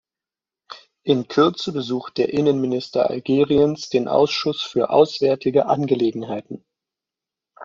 In Kürze besucht der Innenminister Algeriens den Ausschuss für auswärtige Angelegenheiten.